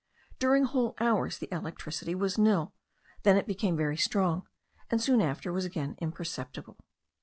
During whole hours the electricity was nil, then it became very strong, and soon after was again imperceptible.